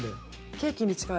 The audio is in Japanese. ケーキに近い。